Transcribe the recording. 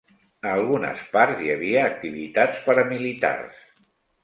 A algunes parts hi havia activitats paramilitars.